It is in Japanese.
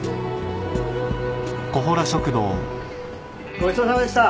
ごちそうさまでした。